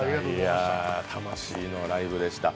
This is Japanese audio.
魂のライブでした。